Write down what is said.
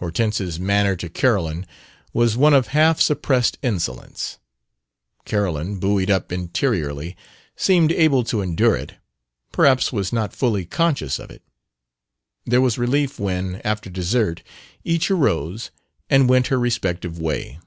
Hortense's manner to Carolyn was one of half suppressed insolence. Carolyn, buoyed up interiorly, seemed able to endure it, perhaps was not fully conscious of it. There was relief when, after dessert, each arose and went her respective way.